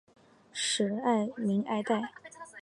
吏民爱戴。